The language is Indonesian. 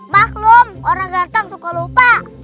maksudnya orang ganteng suka lupa